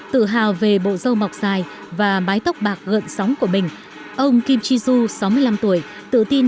tự hào về bộ dâu mọc dài và mái tóc bạc gợn sóng của mình ông kim jin joo sáu mươi năm tuổi tự tin